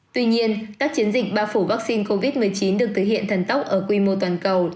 tuy nhiên các chiến dịch bao phủ vaccine covid một mươi chín được thể hiện thần tốc ở quy mô toàn cầu